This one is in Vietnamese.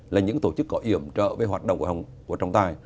là những tổ chức có hiểm trợ về hoạt động của trồng tài